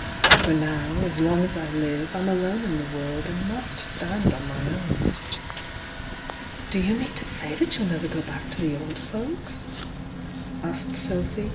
For now, as long as I live I'm alone in the world and must stand on my own." "Do you mean to say that you'll never go back to the old folks?" >. od Sophy.